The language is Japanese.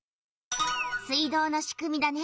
水道のしくみだね。